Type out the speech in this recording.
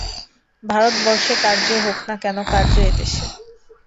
ভারতবর্ষে কার্য হোক না হোক, কার্য এদেশে।